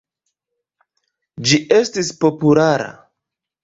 Ĝi estis populara.